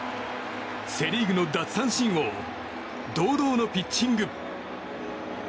セ・リーグの奪三振王堂々のピッチング。